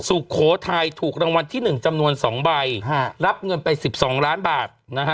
สุโขทัยถูกรางวัลที่๑จำนวน๒ใบรับเงินไป๑๒ล้านบาทนะฮะ